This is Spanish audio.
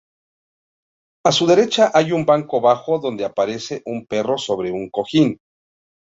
A su derecha hay un banco bajo donde aparece un perro sobre un cojín.